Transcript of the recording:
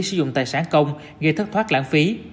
sử dụng tài sản công gây thất thoát lãng phí